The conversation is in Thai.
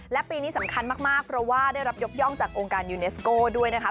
และปีนี้สำคัญมากเพราะว่าได้รับยกย่องจากองค์การยูเนสโก้ด้วยนะคะ